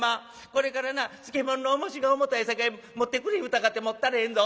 これからな漬物のおもしが重たいさかい持ってくれ言うたかて持ったれへんぞ。